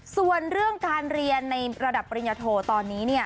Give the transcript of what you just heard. ส่วนเรื่องการเรียนในระดับปริญญาโทตอนนี้